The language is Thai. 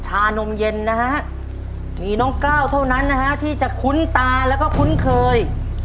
ชานมเย็นนะฮะมีน้องกล้าวเท่านั้นนะฮะที่จะคุ้นตาแล้วก็คุ้นเคย